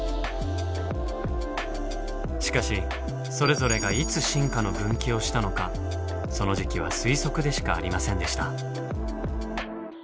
しかしそれぞれがいつ進化の分岐をしたのかその時期は推測でしかありませんでした。